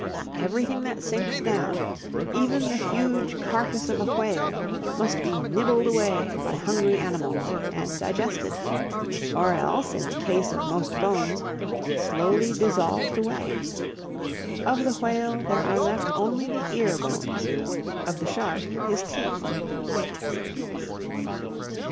Everything that sinks down, even the huge carcase of a whale, must be nibbled away by hungry animals and digested, or else, in the case of most bones, slowly dissolved away. Of the whale there are left only the ear bones, of the shark his teeth.